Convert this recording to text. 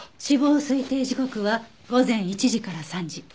死亡推定時刻は午前１時から３時。